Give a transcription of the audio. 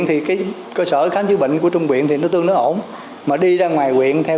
thì cái cơ sở khám chữa bệnh của trung tâm y tế thì nó tương đối ổn mà đi ra ngoài quyện theo